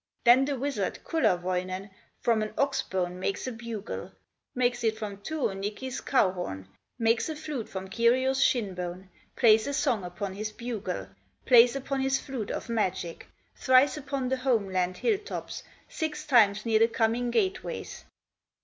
Then the wizard, Kullerwoinen, From an ox bone makes a bugle, Makes it from Tuonikki's cow horn, Makes a flute from Kiryo's shin bone, Plays a song upon his bugle, Plays upon his flute of magic, Thrice upon the home land hill tops, Six times near the coming gate ways.